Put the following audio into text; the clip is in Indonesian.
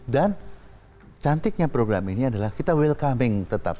dan cantiknya program ini adalah kita welcoming tetap